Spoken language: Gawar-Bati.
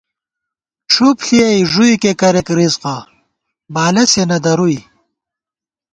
ڄُھپ ݪِیَئی ݫُوئیکےکریَک رِزِقہ ، بالہ سے نہ درُوئی